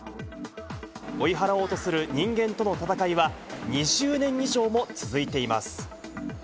追い払おうとする人間との戦いは２０年以上も続いています。